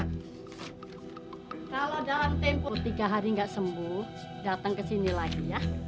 kalau dalam tempo tiga hari nggak sembuh datang ke sini lagi ya